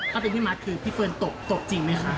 ถ้าเป็นพี่มัดคือพี่เฟิร์นตกจริงไหมคะ